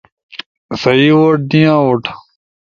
سہی ووٹ، نیا ووٹ